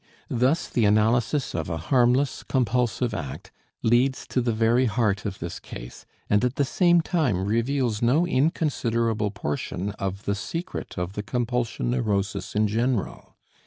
Thus the analysis of a harmless compulsive act leads to the very heart of this case and at the same time reveals no inconsiderable portion of the secret of the compulsion neurosis in general.